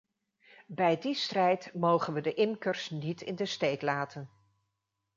Bij die strijd mogen we de imkers niet in de steek laten.